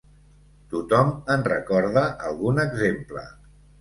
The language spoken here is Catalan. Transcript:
Tothom en recorda algun exemple.